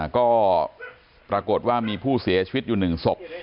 ก็ปรากฏว่ามีผู้เสียชีวิตอยู่๑ศพ